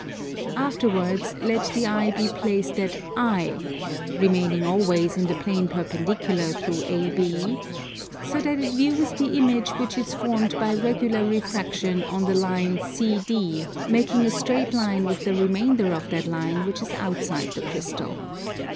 Afterwards let the eye be placed at I (remaining always in the plane perpendicular through AB) so that it views the image which is formed by regular refraction of the line CD making a straight line with the remainder of that line which is outside the Crystal.